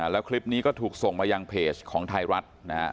แล้วคลิปนี้ก็ถูกส่งมายังเพจของไทยรัฐนะฮะ